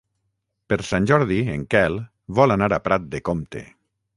Per Sant Jordi en Quel vol anar a Prat de Comte.